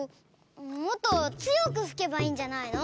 もっとつよくふけばいいんじゃないの？